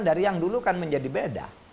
dari yang dulu kan menjadi beda